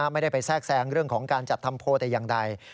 ไม่ได้ไปแทรกแซงเรื่องของการจัดทำโพลแต่อย่างใด